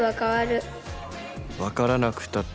分からなくたって。